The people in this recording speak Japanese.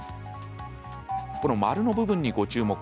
この丸の部分にご注目。